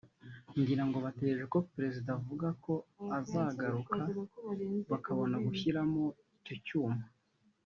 ngira ngo bategereje ko Perezida avuga ko azagaruka bakabona gushyiramo icyo cyuma